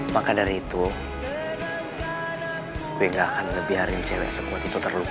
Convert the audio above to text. maka dari itu gue gak akan ngebiarin cewek seperti itu terluka